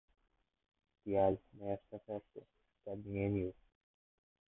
Tial ne estas esto sed nenio.